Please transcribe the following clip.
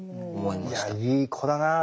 いやいい子だなぁ。